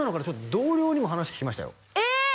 同僚にも話聞きましたよえっ！？